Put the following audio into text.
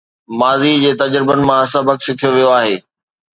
ماضي جي تجربن مان سبق سکيو ويو آهي